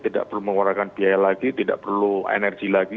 tidak perlu mengeluarkan biaya lagi tidak perlu energi lagi